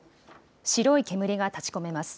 白い煙が立ちこめます。